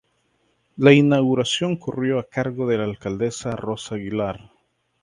La inauguración corrió a cargo de la alcaldesa Rosa Aguilar